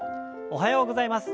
おはようございます。